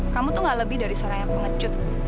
kamu tuh gak lebih dari seorang yang pengecut